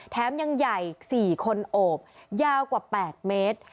แถมยังใหญ่๔คนโอบยาวกว่า๘เมตร